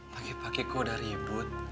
pagi pagi kok udah ribut